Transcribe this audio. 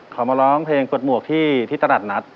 เขามาร้องเพลงเปิดหมวกที่ตลาดนัด